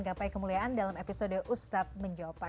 gak baik kemuliaan dalam episode ustadz menjopak